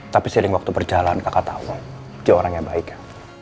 tapi seling waktu berjalan kakak tau dia orang yang baik ya